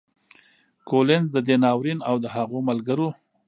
کولینز د دې ناورین او د هغو ملګرو